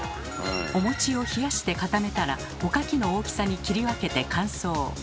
お餅を冷やして固めたらおかきの大きさに切り分けて乾燥。